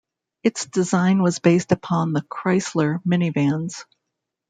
Its design was based upon the Chrysler minivans.